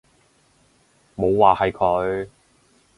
冇話係佢